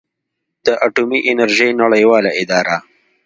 د اټومي انرژۍ نړیواله اداره